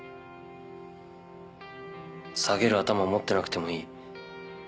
下げる頭持ってなくてもいい。